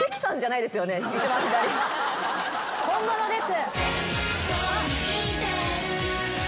本物です。